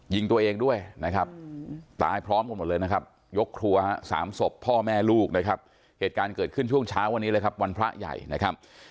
ยิงตัวเองด้วยนะครับตายพร้อมกันหมดเลยนะครับยกครัวฮะสามศพพ่อแม่ลูกนะครับเหตุการณ์เกิดขึ้นช่วงเช้าวันนี้เลยครับวันพระใหญ่นะครับ